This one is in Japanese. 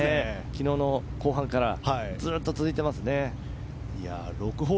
昨日の後半からずっと続いていますね。